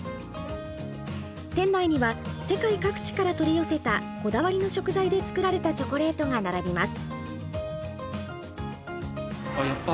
店内には世界各地から取り寄せたこだわりの食材で作られたチョコレートが並びます。